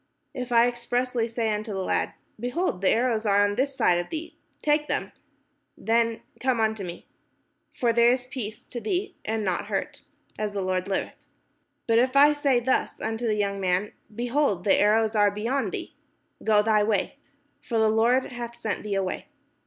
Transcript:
If I expressly say unto the lad, Behold, the arrows are on this side of thee, take them; then come thou: for there is peace to thee, and no hurt; as the Lord liveth. But if I say thus unto the young man. Behold, the arrows are beyond thee; go thy way: for the Lord hath sent thee away.